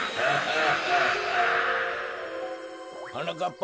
はなかっぱ